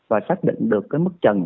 và xác định được mức trần